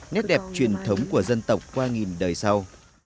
nét đẹp truyền thống của dân tộc qua nghìn đời sau